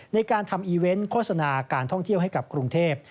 ในการทำอีเวนต์โฆษณาการท่องเที่ยวให้กับกรุงเทพ